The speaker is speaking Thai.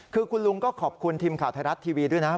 คือคุณลุงก็ขอบคุณทีมข่าวไทยรัฐทีวีด้วยนะ